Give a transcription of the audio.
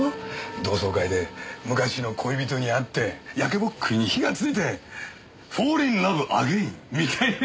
同窓会で昔の恋人に会って焼けぼっくいに火がついてフォーリンラブ・アゲインみたいな。